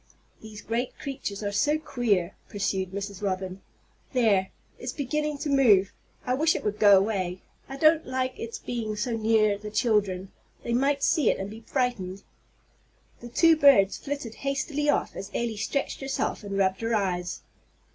"These great creatures are so queer!" pursued Mrs. Robin. "There, it's beginning to move! I wish it would go away. I don't like its being so near the children. They might see it and be frightened." The two birds flitted hastily off as Elly stretched herself and rubbed her eyes.